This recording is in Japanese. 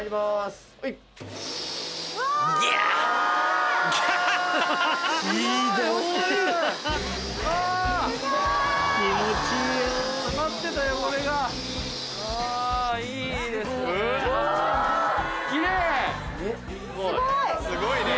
すごい！